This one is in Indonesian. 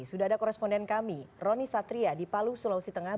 sudah ada koresponden kami roni satria di palu sulawesi tengah